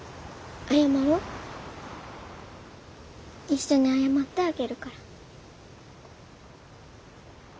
一緒に謝ってあげるから。